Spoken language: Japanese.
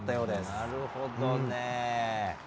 なるほどね。